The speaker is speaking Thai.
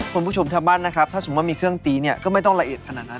คุณผู้ชมทางบ้านนะครับถ้าสมมุติมีเครื่องตีเนี่ยก็ไม่ต้องละเอียดขนาดนั้น